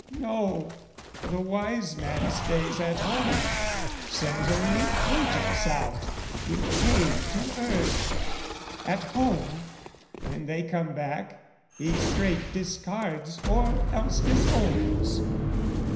No, the wise man stays at home, Sends only agents out, with pay to earn: At home, when they come back, he straight discards Or else disowns.